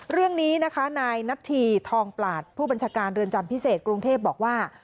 เรื่องนี้นะคะนายนัทธีทองปลาผู้บัญชาการเรือนจำพิเศษกรุงเทพบอกว่า